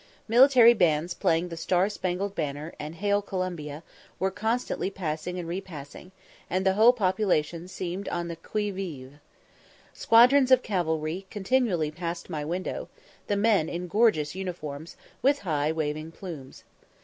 Military bands playing 'The Star spangled Banner,' and 'Hail Columbia,' were constantly passing and re passing, and the whole population seemed on the qui vive. Squadrons of cavalry continually passed my window, the men in gorgeous uniforms, with high waving plumes.